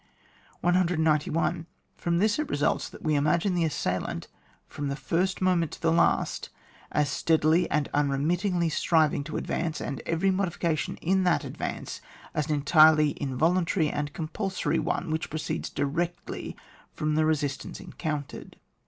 191. From this it results that we imagine the assailant from the first mo ment to the last, as steadily and unre mittingly striving to advance, and every modification in that advance as an en tirely involiintary and compulsory one, which proceeds directly from the resist ance encountered.